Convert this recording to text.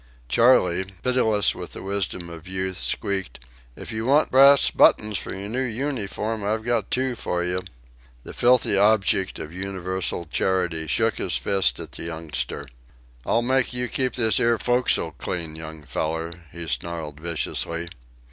Charley, pitiless with the wisdom of youth, squeaked: "If you want brass buttons for your new unyforms I've got two for you." The filthy object of universal charity shook his fist at the youngster. "I'll make you keep this 'ere fo'c'sle clean, young feller," he snarled viciously.